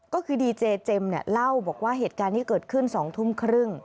ก็คือดีเจเจมส์เนี่ยเล่าบอกว่าเหตุการณ์ที่เกิดขึ้น๒ทุ่มครึ่ง